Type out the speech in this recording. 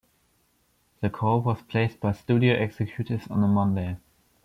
The call was placed by studio executives on a Monday.